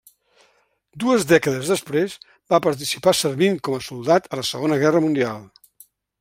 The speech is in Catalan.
Dues dècades després, va participar servint com a soldat a la Segona Guerra Mundial.